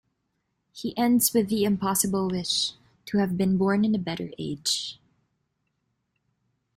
He ends with the impossible wish to have been born in a better age.